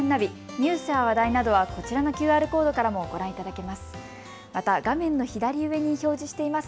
ニュースや話題などはこちらのＱＲコードからもご覧いただけます。